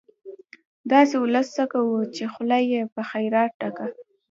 داسې ولس څه کوو، چې خوله يې په خيرات ډکه